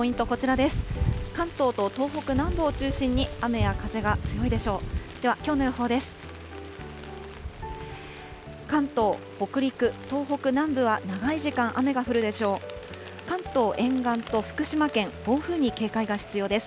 ではきょうの予報です。